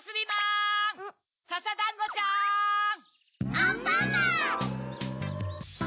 ・アンパンマン！